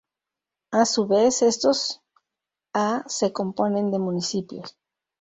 A su vez, estos a se componen de municipios.